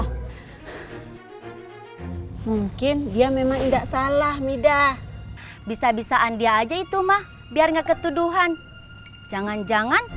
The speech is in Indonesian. hai mungkin dia memang enggak salah mida bisa bisaan dia aja itu mah biar nggak ketuduhan jangan jangan